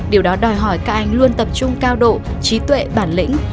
điều đó đòi hỏi các anh luôn tập trung cao độ trí tuệ bản lĩnh